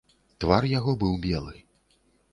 Твар яго быў белы.